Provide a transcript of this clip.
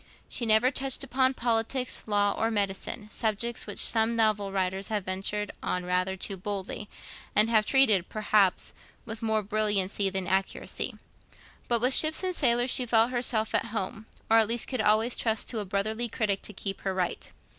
She never touched upon politics, law, or medicine, subjects which some novel writers have ventured on rather too boldly, and have treated, perhaps, with more brilliancy than accuracy. But with ships and sailors she felt herself at home, or at least could always trust to a brotherly critic to keep her right.